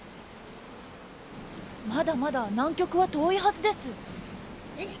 まだまだ南極は遠いはずです。